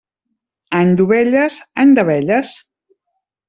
Any d'ovelles, any d'abelles.